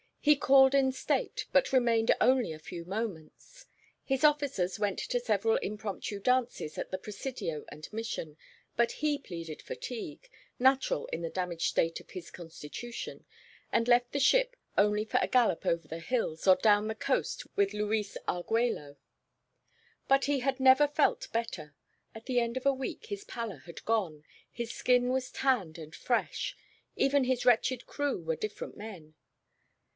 He called in state, but remained only a few moments. His officers went to several impromptu dances at the Presidio and Mission, but he pleaded fatigue, natural in the damaged state of his constitution, and left the ship only for a gallop over the hills or down the coast with Luis Arguello. But he had never felt better. At the end of a week his pallor had gone, his skin was tanned and fresh. Even his wretched crew were different men.